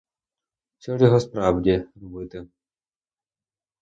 Що ж його справді робити?